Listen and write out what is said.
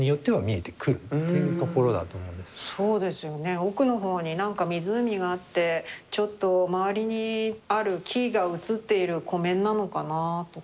奥の方に何か湖があってちょっと周りにある木が映っている湖面なのかなとか。